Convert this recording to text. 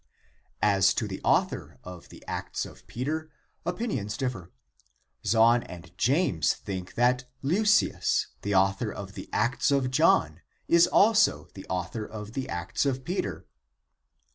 As to the author of the Acts of Peter, opinions differ. Zahn and James think that Leucius, the author of the Acts of John, is also the author of the Acts of Peter.